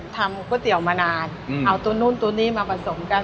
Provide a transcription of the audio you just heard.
ทำก๋วยเตี๋ยวมานานเอาตัวนู้นตัวนี้มาผสมกัน